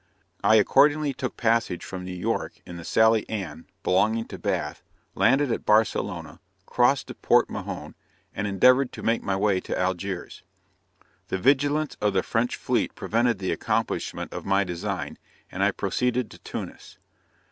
I accordingly took passage from New York, in the Sally Ann, belonging to Bath, landed at Barcelona, crossed to Port Mahon, and endeavored to make my way to Algiers. The vigilance of the French fleet prevented the accomplishment of my design, and I proceeded to Tunis.